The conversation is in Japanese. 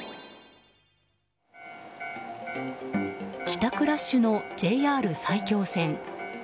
帰宅ラッシュのＪＲ埼京線。